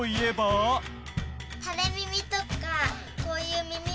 こういう耳。